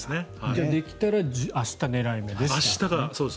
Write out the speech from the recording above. じゃあできたら明日が狙い目ですと。